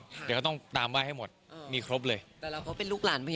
เดี๋ยวเขาต้องตามไหว้ให้หมดมีครบเลย